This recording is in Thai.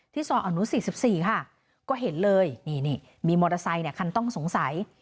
ซอยอนุ๔๔ค่ะก็เห็นเลยนี่มีมอเตอร์ไซคันต้องสงสัย